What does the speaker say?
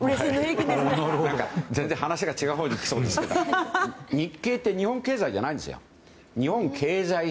話が全然違うほうにいきそうですが日経って日本経済じゃないですよ。